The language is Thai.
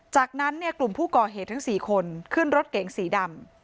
จากนั้นเนี่ยกลุ่มผู้ก่อเหตุทั้ง๔คนขึ้นรถเก๋งสีดำ